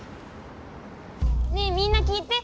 ねえみんな聞いて。